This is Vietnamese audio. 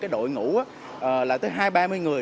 đội ngũ là tới hai ba mươi người